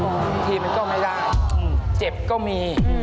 บางทีมันก็ไม่ได้เจ็บก็มี